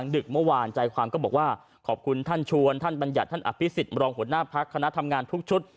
ดึกเมื่อวานใจความก็บอกว่าขอบคุณท่านชวนท่านบัญญัติท่านอภิษฎรองหัวหน้าพักคณะทำงานทุกชุด